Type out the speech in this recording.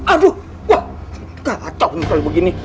aduh wah kacau kalau begini